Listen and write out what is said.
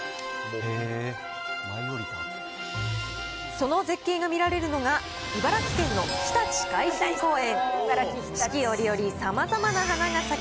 その絶景が見られるのが、茨城県のひたち海浜公園。